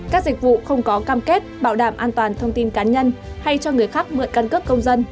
các dịch vụ không có cam kết bảo đảm an toàn thông tin cá nhân hay cho người khác mượn căn cước công dân